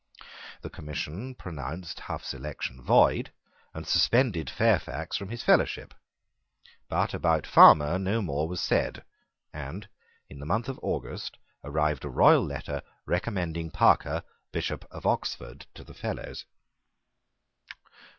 The Commission pronounced Hough's election void, and suspended Fairfax from his fellowship: but about Farmer no more was said; and, in the month of August, arrived a royal letter recommending Parker, Bishop of Oxford, to the Fellows.